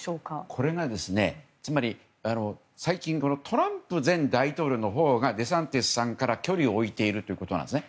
これが最近トランプ前大統領のほうがデサンティスさんから距離を置いているということです。